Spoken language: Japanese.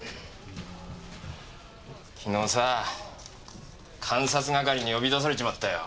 昨日さ監察係に呼び出されちまったよ。